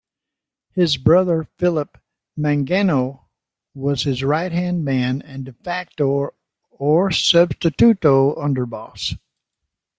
His brother Philip Mangano was his right-hand man and "de facto", or "substituto", underboss.